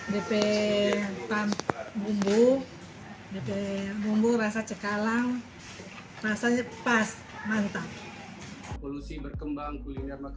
dp rasa enak dp bumbu dp bumbu rasa cakalang rasanya pas mantap